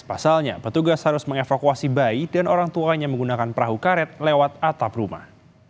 pasalnya petugas harus mengevakuasi bayi dan orang tuanya menggunakan perahu karet lewat atap rumah